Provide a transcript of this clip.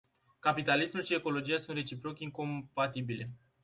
Capitalismul și ecologia sunt reciproc incompatibile.